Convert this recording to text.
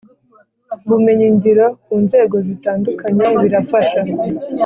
ubumenyingiro ku nzego zitandukanye birafasha